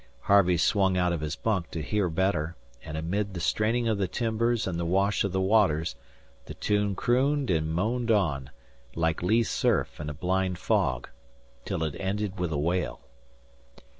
Harvey swung out of his bunk to hear better; and amid the straining of the timbers and the wash of the waters the tune crooned and moaned on, like lee surf in a blind fog, till it ended with a wail.